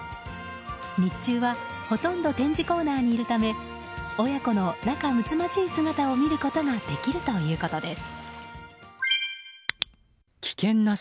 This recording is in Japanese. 日中はほとんど展示コーナーにいるため親子の仲睦まじい姿を見ることができるということです。